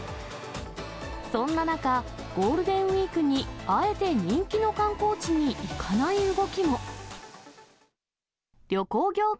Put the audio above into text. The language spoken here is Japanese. そんな中、ゴールデンウィークにあえて人気の観光地に行かない動きも。